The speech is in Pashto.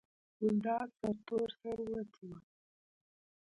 ګلداد سرتور سر وتی و.